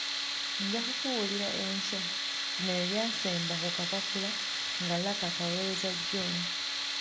“Nja kukubuulira enkya”. Bino bye by’asemba ku kapapula nga Lucky akaweereza John.